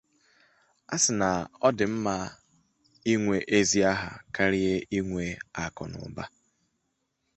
Ị mààrà nà Obianọ gụrụ akwụkwọ sekọndịrị ya n'ụlọ akwụkwọ 'Christ The King College'